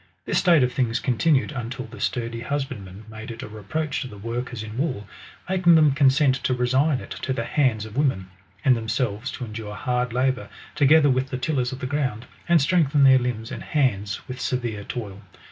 This state of things continued until the sturdy husbandmen made it a reproach to the workers in wool; making them consent to resign it to the hands of women, and themselves to endure hard labour together vjith the tillers of the ground, and strengthen their limbs and hands with severe toil.